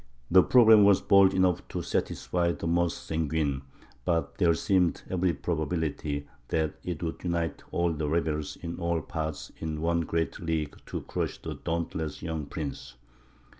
The programme was bold enough to satisfy the most sanguine; but there seemed every probability that it would unite all the rebels in all parts in one great league to crush the dauntless young prince.